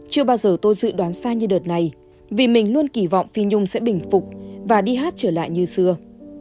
chưa bao giờ tôi dự đoán sai như đợt này vì mình luôn kỳ vọng phi nhung sẽ bình phục và đi hát trở lại như xưa